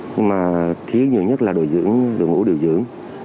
nhưng mà thiếu nhiều nhất là đội dưỡng đội ngũ điều dưỡng